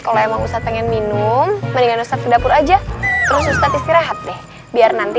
kalau emang ustadz pengen minum mendingan rusak ke dapur aja terus ustadz istirahat deh biar nanti